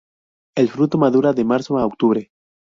El fruto madura de marzo a octubre.